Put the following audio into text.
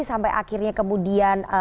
sampai akhirnya kemudian